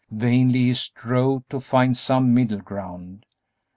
Vainly he strove to find some middle ground.